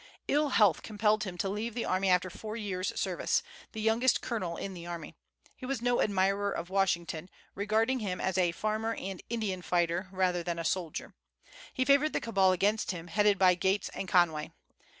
Ill health compelled him to leave the army after four years service, the youngest colonel in the army. He was no admirer of Washington, regarding him as "a farmer and Indian fighter rather than a soldier." He favored the cabal against him, headed by Gates and Conway.